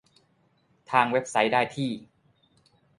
ทางเว็บไซต์ได้ที่